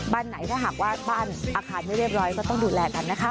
ไหนถ้าหากว่าบ้านอาคารไม่เรียบร้อยก็ต้องดูแลกันนะคะ